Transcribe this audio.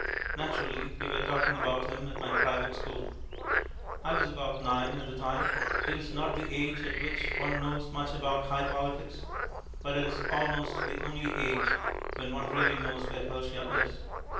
Naturally, we were talking about him at my private school. I was about nine at the time; it is not the age at which one knows much about high politics, but it is almost the only age when one really knows where Persia is.